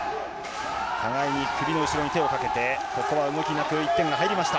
互いに首の後ろに手をかけてここからは動きなく１点が入りました。